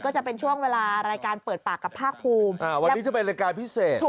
ก็จะเป็นช่วงเวลารายการเปิดปากกับภาคภูมิ